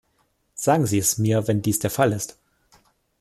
Sagen Sie es mir, wenn dies der Fall ist.